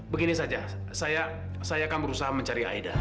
begini saja saya akan berusaha mencari aida